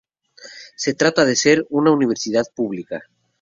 Se trata de una universidad pública.